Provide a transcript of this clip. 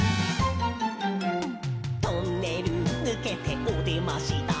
「トンネル抜けておでましだ」